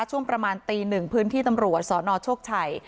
ช่วงประมาณตีหนึ่งพื้นที่ตำรวจสนโชคชัย